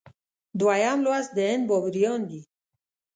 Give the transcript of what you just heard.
دویم لوست د هند بابریان دي.